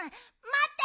まって！